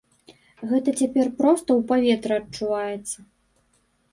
Гэта цяпер проста ў паветры адчуваецца.